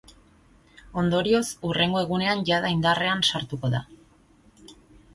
Ondorioz, hurrengo egunean jada indarrean sartuko da.